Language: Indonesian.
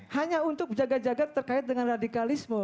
hanya untuk jaga jaga terkait dengan radikalisme